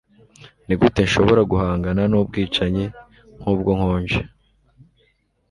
Nigute nshobora guhangana nubwicanyi nkubwo nkonje